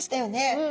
うん。